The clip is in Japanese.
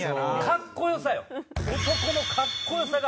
かっこ良さよ。